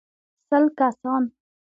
سل کسان.